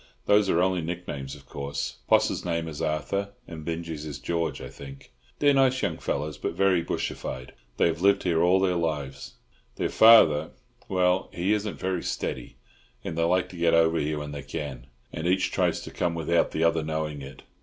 Those are only nick names, of course. Poss's name is Arthur, and Binjie's is George, I think. They're nice young fellows, but very bushified; they have lived here all their lives. Their father—well, he isn't very steady; and they like to get over here when they can, and each tries to come without the other knowing it.